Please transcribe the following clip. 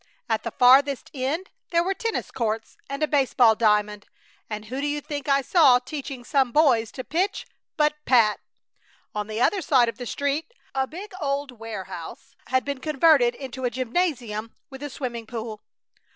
At the farthest end there were tennis courts and a baseball diamond; and who do you think I saw teaching some boys to pitch, but Pat! On the other side of the street a big, old warehouse had been converted into a gymnasium with a swimming pool.